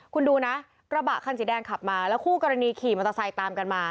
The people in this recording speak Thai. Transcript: คุณดูนะกระบะคันสีแดงขับมาแล้วคู่กรณีขี่มอเตอร์ไซค์ตามกันมา